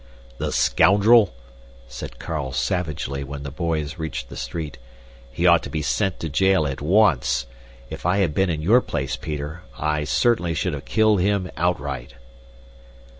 "The scoundrel!" said Carl savagely when the boys reached the street. "He ought to be sent to jail at once. If I had been in your place, Peter, I certainly should have killed him outright!"